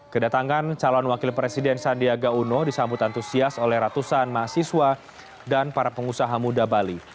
kedatangan calon wakil presiden sandiaga uno disambut antusias oleh ratusan mahasiswa dan para pengusaha muda bali